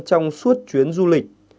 trong suốt chuyến du lịch